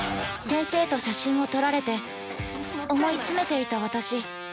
◆先生と写真を撮られて、思い詰めていた私。